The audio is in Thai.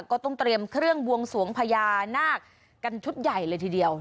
ก็ต้องเตรียมเครื่องบวงสวงพญานาคกันชุดใหญ่เลยทีเดียว